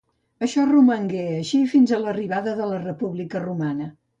Això romangué així fins a l'arribada de la República romana.